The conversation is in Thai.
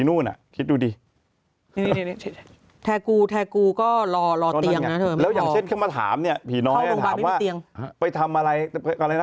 นี่ที่แท้กูนี่ซึ่งแสน๕หมื่นคนคือคนทั้งถังหวัดนั้นนะ